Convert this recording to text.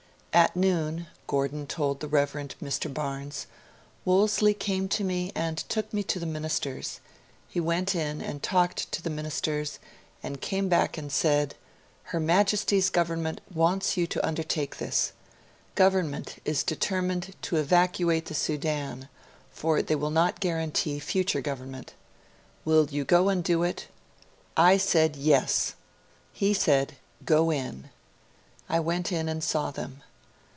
'At noon,' Gordon told the Rev. Mr. Barnes, Wolseley came to me and took me to the Ministers. He went in and talked to the Ministers, and came back and said: "Her Majesty's Government wants you to undertake this. Government is determined to evacuate the Sudan, for they will not guarantee future government. Will you go and do it?" I said: "Yes." He said: "Go in." I went in and saw them.